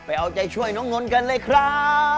เอาใจช่วยน้องนนท์กันเลยครับ